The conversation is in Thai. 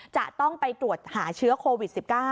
จะต้องไปตรวจหาเชื้อโควิด๑๙